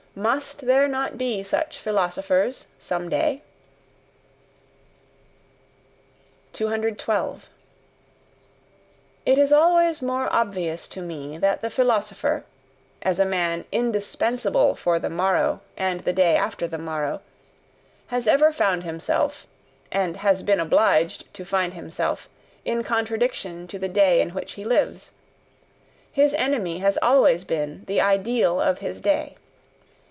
MUST there not be such philosophers some day? ... 212. It is always more obvious to me that the philosopher, as a man INDISPENSABLE for the morrow and the day after the morrow, has ever found himself, and HAS BEEN OBLIGED to find himself, in contradiction to the day in which he lives; his enemy has always been the ideal of his day.